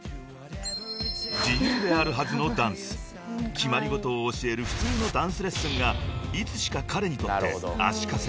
［決まり事を教える普通のダンスレッスンがいつしか彼にとって］